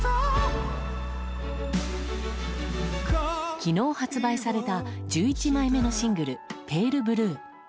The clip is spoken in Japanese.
昨日、発売された１１枚目のシングル「ＰａｌｅＢｌｕｅ」。